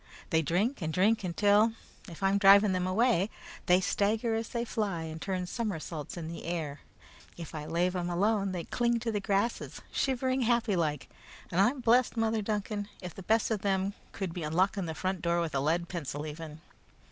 They drink and drink until, if I'm driving them away, they stagger as they fly and turn somersaults in the air. If I lave them alone, they cling to the grasses, shivering happy like; and I'm blest, Mother Duncan, if the best of them could be unlocking the front door with a lead pencil, even."